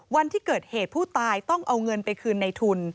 วันที่เกิดเหตุผู้ตายต้องเอาเงินไปคืนในทุน